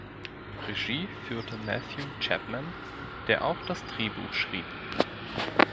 Regie führte Matthew Chapman, der auch das Drehbuch schrieb.